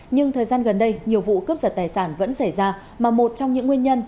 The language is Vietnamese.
nhưng thời gian gần đây nhiều vụ cướp giật tài sản vẫn xảy ra mà một trong những nguyên nhân